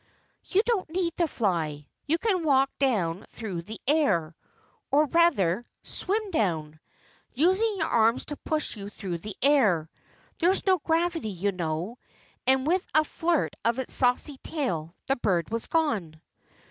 "You don't need to fly. You can walk down through the air or rather, swim down using your arms to push you through the air. There's no gravity, you know." And with a flirt of its saucy tail the bird was gone.